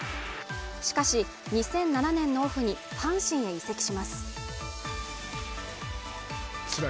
しかし２００７年のオフに阪神へ移籍します。